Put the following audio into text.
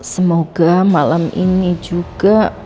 semoga malam ini juga